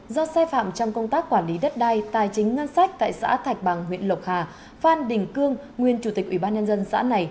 do sai phạm trong công tác quản lý đất đai tài chính ngân sách tại xã thạch bằng huyện lộc hà phan đình cương nguyên chủ tịch ủy ban nhân dân xã này